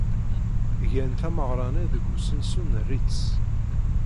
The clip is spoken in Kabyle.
Gan tameɣra-nni deg usensu n Ritz.